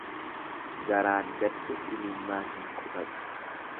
Garaan gadde imimmaan hin qusatu.